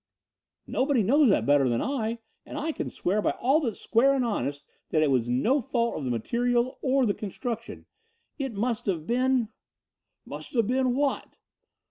"Nobody knows that better than I, and I can swear by all that's square and honest that it was no fault of the material or the construction. It must have been " "Must have been what?"